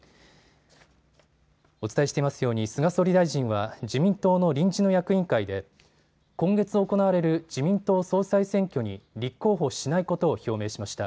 お伝えしていますように菅総理大臣は自民党の臨時の役員会で今月行われる自民党総裁選挙に立候補しないことを表明しました。